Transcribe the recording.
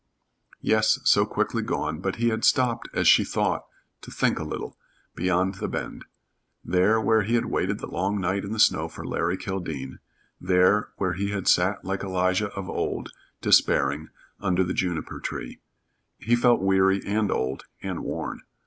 Yes, so quickly gone, but he had stopped as she thought, to think a little, beyond the bend, there where he had waited the long night in the snow for Larry Kildene, there where he had sat like Elijah of old, despairing, under the juniper tree. He felt weary and old and worn.